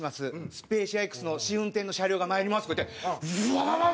スペーシアＸの試運転の車両がまいります」とか言ってウワワッ！